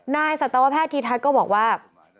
นายศัตรวแพทย์ทีทัศน์ก็บอกว่า